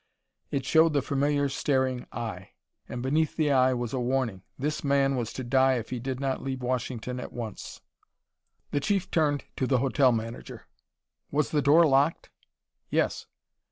It showed the familiar, staring eye. And beneath the eye was a warning: this man was to die if he did not leave Washington at once. The Chief turned to the hotel manager. "Was the door locked?" "Yes."